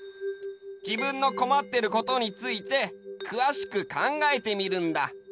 自分のこまってることについてくわしく考えてみるんだ。